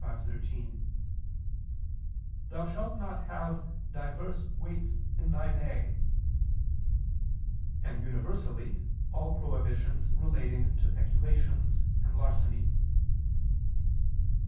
25:13: "Thou shalt not have divers weights in thy bag"; and universally all prohibitions relating to peculations and larceny.